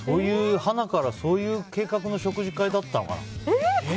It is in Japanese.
はなからそういう計画の食事会だったのかな。